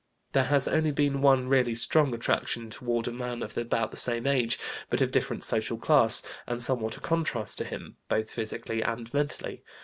There has only been one really strong attraction, toward a man of about the same age, but of different social class, and somewhat a contrast to him, both physically and mentally.